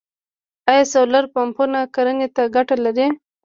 آیا سولر پمپونه کرنې ته ګټه لري؟